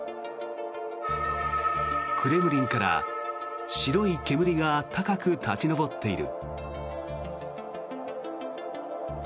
クレムリンから白い煙が高く立ち上っている。